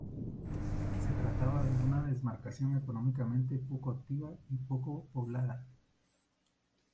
Se trataba de una demarcación económicamente poco activa y poco poblada.